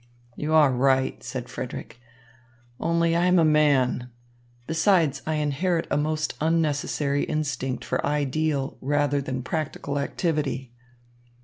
"You are right," said Frederick, "only I am a man. Besides I inherit a most unnecessary instinct for ideal rather than practical activity.